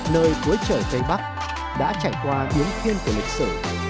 nơi cuối trời tây bắc đã trải qua biến thiên của lịch sử